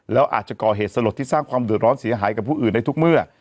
แล้วอาจจะก่อเหตุสลดที่สร้างความเดือดร้อนเสียหายกับผู้อื่นได้ทุกเมื่อ